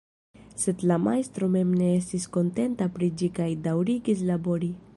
Sed la majstro mem ne estis kontenta pri ĝi kaj daŭrigis labori.